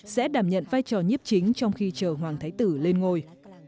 sẽ đảm nhận vai trò nhiếp chính trong khi chờ hoàng thái tử lên ngôi